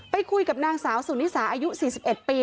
ไปคุยกับนางสาวสุนิสาอายุ๔๑ปี